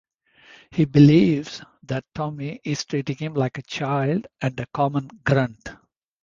He believes that Tommy is treating him like a child and a common grunt.